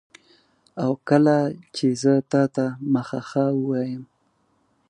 او کله چي زه تاته مخه ښه وایم